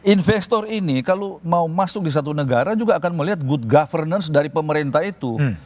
investor ini kalau mau masuk di satu negara juga akan melihat good governance dari pemerintah itu